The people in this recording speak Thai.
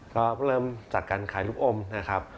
ก็เริ่มจากการขายลูกอมนะครับ